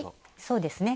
そうですね。